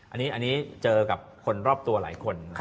อันนี้เจอกับคนรอบตัวหลายคน